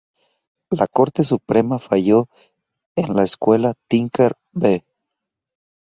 La Corte Suprema falló en la Escuela Tinker v.